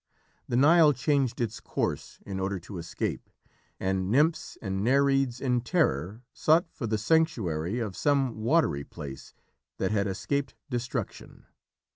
The Nile changed its course in order to escape, and nymphs and nereids in terror sought for the sanctuary of some watery place that had escaped destruction.